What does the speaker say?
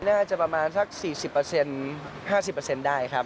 น่าจะประมาณสัก๔๐เปอร์เซ็นต์๕๐เปอร์เซ็นต์ได้ครับ